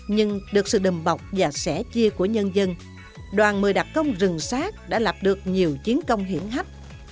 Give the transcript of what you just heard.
nhưng được sự đùm bọc và sẻ chia của nhân dân đoàn một mươi đặc công rừng sát đã lặp được nhiều chiến công hiển hách